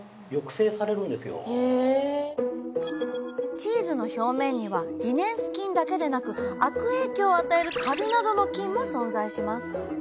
チーズの表面にはリネンス菌だけでなく悪影響を与えるカビなどの菌も存在します。